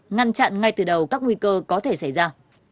ngăn chặn ngay từ đầu các nguy cơ có thể xảy ra